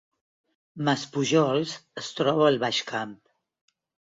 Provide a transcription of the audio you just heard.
Maspujols es troba al Baix Camp